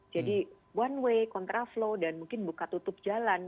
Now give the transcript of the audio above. jadi one way contra flow dan mungkin buka tutup jalan